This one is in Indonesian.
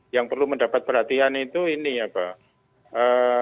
yang perlu mendapat perhatian itu ini ya pak